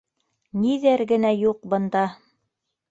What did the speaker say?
Ниҙәр генә юҡ бында!